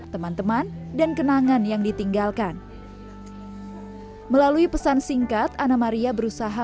teman teman dan kenangan yang ditinggalkan melalui pesan singkat anna maria berusaha